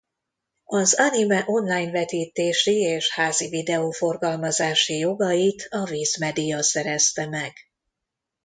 Az anime online vetítési és házi videó forgalmazási jogait a Viz Media szerezte meg.